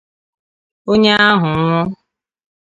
onye ahụ nwụọ